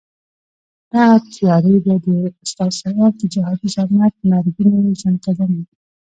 دغه تیاري به د استاد سیاف د جهادي زعامت مرګوني ځنکندن وي.